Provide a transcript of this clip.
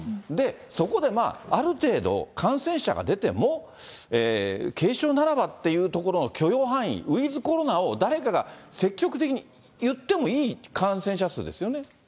そこである程度、感染者が出ても、軽症ならばっていうところの許容範囲、ウィズコロナを誰かが積極的に言ってもいい感染者数ですよね。